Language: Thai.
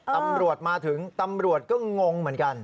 ตำรวจมาถึงตำรวจก็งงเหมือนกัน